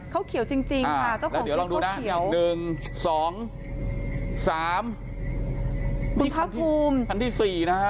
เขาเขียวจริงจริงค่ะเจ้าของเขียวเดี๋ยวลองดูนะหนึ่งสองสามคันที่สี่นะฮะ